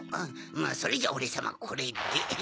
まぁそれじゃオレさまこれで。